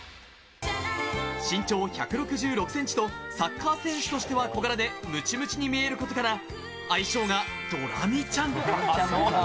身長１６６ｃｍとサッカー選手としては小柄でムチムチに見えることから相性がドラミちゃん。